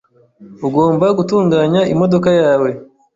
Ugomba gutunganya imodoka yawe .